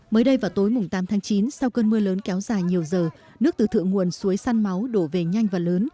mới đây vào tối tám tháng chín sau cơn mưa lớn kéo dài nhiều giờ nước từ thượng nguồn suối săn máu đổ về nhanh và lớn